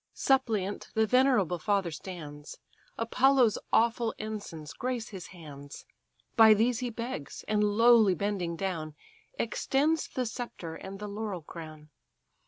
Suppliant the venerable father stands; Apollo's awful ensigns grace his hands: By these he begs; and lowly bending down, Extends the sceptre and the laurel crown.